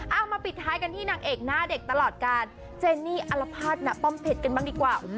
เอามาปิดท้ายกันที่นางเอกหน้าเด็กตลอดการเจนี่อัลภาษณป้อมเพชรกันบ้างดีกว่า